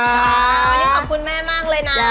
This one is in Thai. วันนี้ขอบคุณแม่มากเลยนะ